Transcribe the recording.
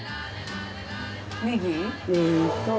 ねぎ？